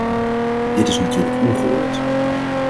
Dit is natuurlijk ongehoord.